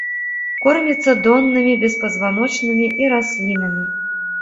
Корміцца доннымі беспазваночнымі і раслінамі.